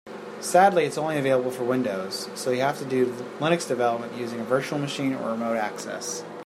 Sadly, it's only available for Windows, so you'll have to do Linux development using a virtual machine or remote access.